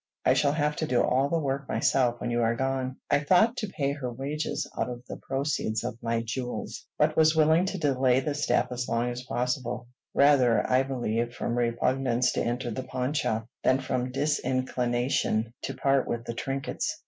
I shall have to do all the work myself when you are gone." I thought to pay her wages out of the proceeds of my jewels, but was willing to delay the step as long as possible; rather, I believe, from repugnance to enter the pawn shop, than from disinclination to part with the trinkets.